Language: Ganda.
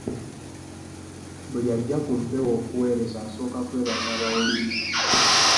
Buli ajja ku mpewo okuweereza asooka kwebaza bawuliriza.